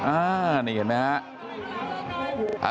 อ้าวนี่เห็นมั้ยฮะ